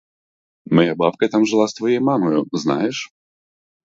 Моя бабка там жила з твоєю мамою, знаєш?